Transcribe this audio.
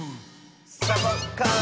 サボッカーン！